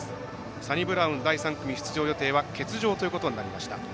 サニブラウン、第３組出場予定は欠場ということになりました。